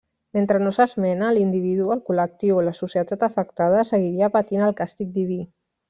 Mentre no s'esmena, l'individu, el col·lectiu o la societat afectada seguiria patint el càstig diví.